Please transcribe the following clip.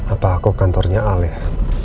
apa aku kantornya aleh